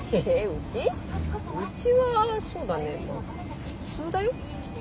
うちはそうだね普通だよ？